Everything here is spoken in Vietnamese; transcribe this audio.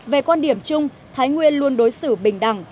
về quan điểm chung thái nguyên luôn đối xử bình đẳng